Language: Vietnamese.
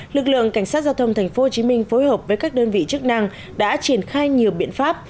lực lượng cảnh sát giao thông tp hcm phối hợp với các đơn vị chức năng đã triển khai nhiều biện pháp